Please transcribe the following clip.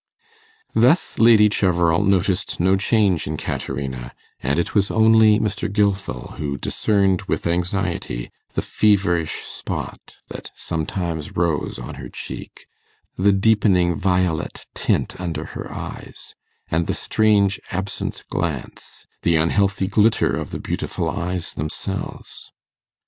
Thus Lady Cheverel noticed no change in Caterina, and it was only Mr. Gilfil who discerned with anxiety the feverish spot that sometimes rose on her cheek, the deepening violet tint under her eyes, and the strange absent glance, the unhealthy glitter of the beautiful eyes themselves.